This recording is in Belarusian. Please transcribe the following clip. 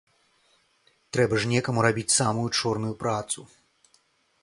Трэба ж некаму рабіць самую чорную працу.